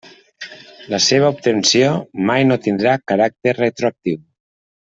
La seva obtenció mai no tindrà caràcter retroactiu.